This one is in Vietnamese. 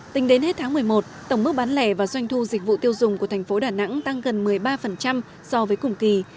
tính đến hết tháng một mươi một tổng mức bán lẻ và doanh thu dịch vụ tiêu dùng của thành phố đà nẵng tăng gần một mươi ba so với cùng kỳ